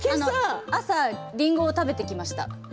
朝、りんご食べてきました。